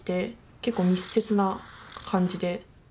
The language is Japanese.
結構、密接な感じで。